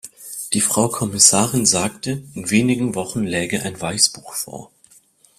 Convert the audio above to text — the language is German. Die Frau Kommissarin sagte, in wenigen Wochen läge ein Weißbuch vor.